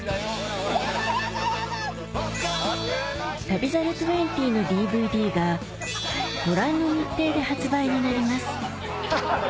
『旅猿２０』のＤＶＤがご覧の日程で発売になります